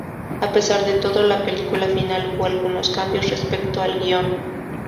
A pesar de todo en la película final hubo algunos cambios respecto al guion.